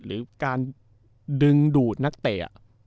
หรือการดึงดูดนักเตะ